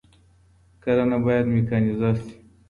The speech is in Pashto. کرنه بايد ميکانيزه سي.